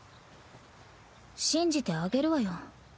信じてあげるわよ。